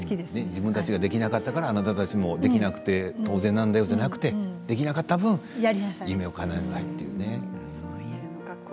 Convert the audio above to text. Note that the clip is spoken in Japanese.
自分たちができなかったから、あなたたちもできなくて当然ではなくてできなかった分、夢をかなえなさいっていうことですね。